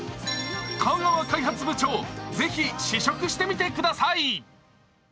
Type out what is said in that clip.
香川開発部長、ぜひ試食してみてください。